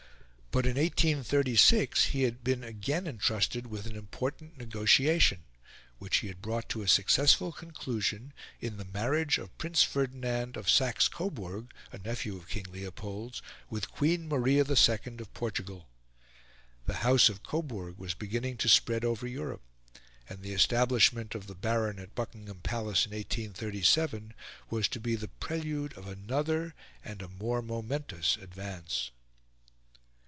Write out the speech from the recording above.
But in 1836 he had been again entrusted with an important negotiation, which he had brought to a successful conclusion in the marriage of Prince Ferdinand of Saxe Coburg, a nephew of King Leopold's, with Queen Maria II of Portugal. The House of Coburg was beginning to spread over Europe; and the establishment of the Baron at Buckingham Palace in 1837 was to be the prelude of another and a more momentous advance.